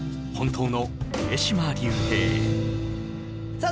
さあ